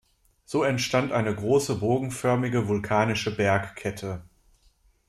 So entstand eine große bogenförmige vulkanische Bergkette.